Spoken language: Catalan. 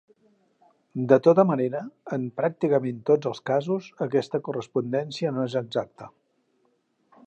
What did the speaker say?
De tota manera, en pràcticament tots els casos, aquesta correspondència no és exacta.